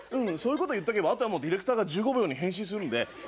そういうこと言っとけばあとはディレクターが１５秒に編集するんで。